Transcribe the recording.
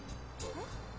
えっ？